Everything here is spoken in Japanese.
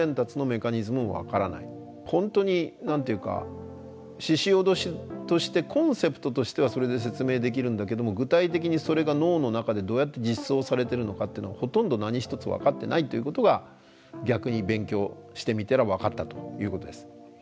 本当に何ていうかししおどしとしてコンセプトとしてはそれで説明できるんだけども具体的にそれが脳の中でどうやって実装されてるのかっていうのはほとんど何一つ分かってないっていうことが逆に勉強してみたら分かったということです。